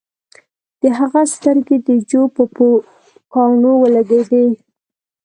د هغه سترګې د جو په پوکاڼو ولګیدې